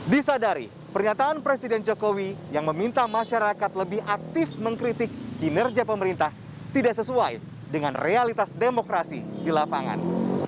disadari pernyataan presiden jokowi yang meminta masyarakat lebih aktif mengkritik kinerja pemerintah tidak sesuai dengan realitas demokrasi di lapangan